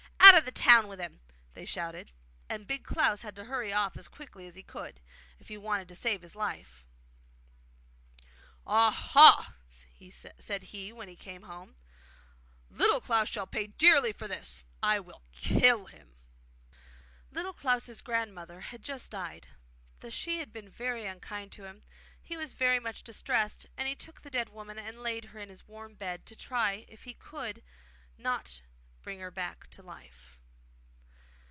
Out of the town with him!' they shouted; and Big Klaus had to hurry off as quickly as he could, if he wanted to save his life. 'Aha!' said he when he came home, 'Little Klaus shall pay dearly for this. I will kill him!' Little Klaus' grandmother had just died. Though she had been very unkind to him, he was very much distressed, and he took the dead woman and laid her in his warm bed to try if he could not bring her back to life.